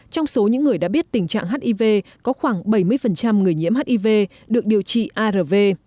trong số những người đã biết tình trạng hiv có khoảng bảy mươi người nhiễm hiv được điều trị arv